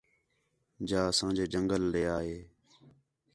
جا اسانجے جنگل ݙے آ ہِے